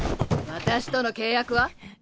私との契約は？